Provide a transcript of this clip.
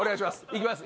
いきます。